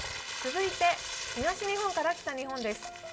続いて、東日本から北日本です。